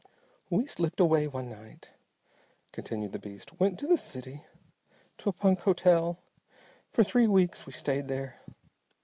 "We slipped away one night," continued the beast. "Went to the city. To a punk hotel. For three weeks we stayed there.